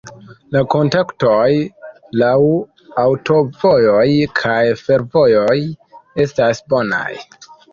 La kontaktoj laŭ aŭtovojoj kaj fervojoj estas bonaj.